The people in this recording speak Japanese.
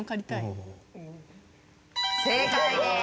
正解です。